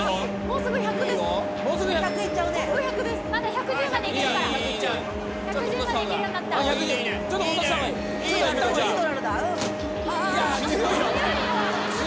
もうすぐ１００です。